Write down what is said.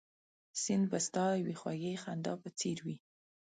سیند به ستا یوې خوږې خندا په څېر وي